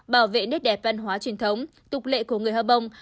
bảo vệ nét đẹp văn hóa truyền thống tục lệ của người hơ bông